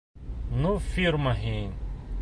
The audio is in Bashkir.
Ну, фирма «һин»...